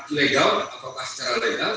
ilegal atau tak secara legal